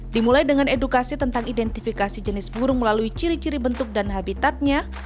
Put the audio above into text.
dimulai dengan edukasi tentang identifikasi jenis burung melalui ciri ciri bentuk dan habitatnya